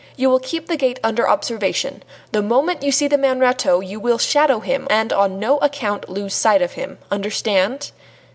You will keep the gate under observation. The moment you see the man Rateau, you will shadow him, and on no account lose sight of him. Understand?"